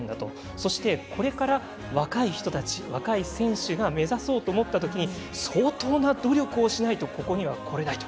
そしてこれから若い人たち、若い選手が目指そうと思ったときに相当な努力をしないとここにはこれないと。